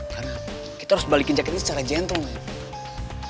karena kita harus balikin jaket ini secara gentle man